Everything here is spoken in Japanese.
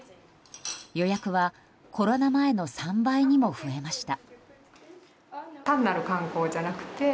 予約はコロナ前の３倍にも増えました。